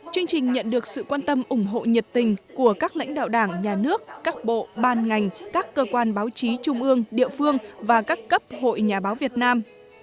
chương trình nhận được sự quan tâm ủng hộ nhiệt tình của các lãnh đạo đảng nhà nước các bộ ban ngành các cơ quan báo chí trung ương địa phương và các cấp hội nhà báo việt nam